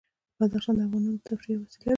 بدخشان د افغانانو د تفریح یوه وسیله ده.